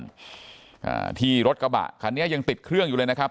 อ่าที่รถกระบะคันนี้ยังติดเครื่องอยู่เลยนะครับ